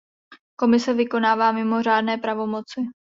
Komise vykonává mimořádné pravomoci.